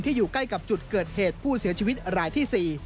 อยู่ใกล้กับจุดเกิดเหตุผู้เสียชีวิตรายที่๔